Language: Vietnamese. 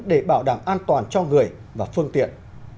để bảo đảm an toàn cho người và phương tiện